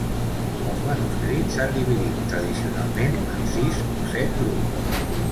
Els manuscrits s'han dividit tradicionalment en sis o set grups.